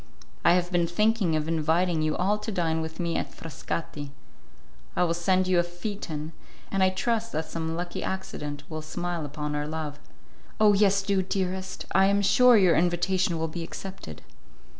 I have been thinking of inviting you all to dine with me at Frascati. I will send you a phaeton, and I trust that some lucky accident will smile upon our love." "Oh! yes, do, dearest! I am sure your invitation will be accepted."